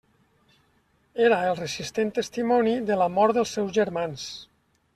Era el resistent testimoni de la mort dels seus germans.